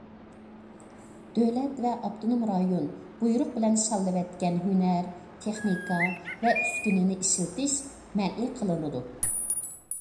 دۆلەت ۋە ئاپتونوم رايون بۇيرۇق بىلەن شاللىۋەتكەن ھۈنەر، تېخنىكا ۋە ئۈسكۈنىنى ئىشلىتىش مەنئى قىلىنىدۇ.